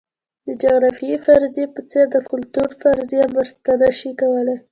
د جغرافیوي فرضیې په څېر د کلتور فرضیه مرسته نه شي کولای.